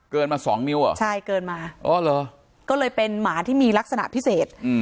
เกินมา๒นิ้วอ่ะใช่เกินมาอ๋อเหรอก็เลยเป็นหมาที่มีลักษณะพิเศษ